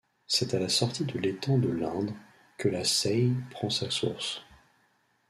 C'est à la sortie de l'étang de Lindre que la Seille prend sa source.